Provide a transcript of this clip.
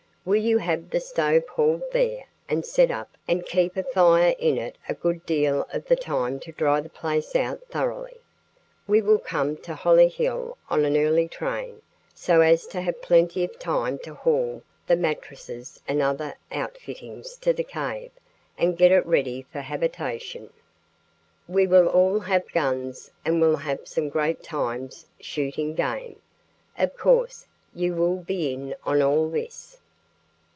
Will you have the stove hauled there and set up and keep a fire in it a good deal of the time to dry the place out thoroughly? We will come to Hollyhill on an early train, so as to have plenty of time to haul the mattresses and other outfittings to the cave and get it ready for habitation. We will all have guns and will have some great times shooting game. Of course, you will be in on all this."